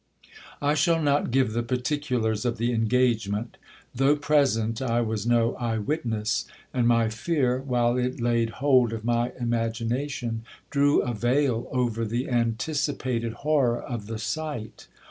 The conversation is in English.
I shall not give the particulars of the engagement ; though present, I was no eye witness ; and my fear, while it laid hold of my imagination, drew a veil over the anticipated horror of the sight.